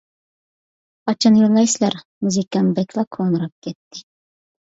قاچان يوللايسىلەر؟ مۇزىكام بەكلا كونىراپ كەتتى.